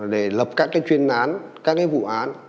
để lập các chuyên án các vụ án